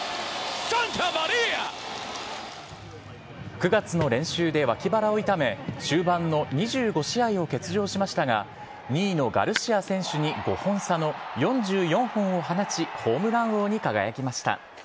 ９月の練習で脇腹を痛め、終盤の２５試合を欠場しましたが、２位のガルシア選手に５本差の４４本を放ち、ホームラン王に輝きました。